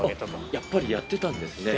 やっぱりやってたんですね。